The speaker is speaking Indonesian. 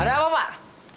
ada apa pak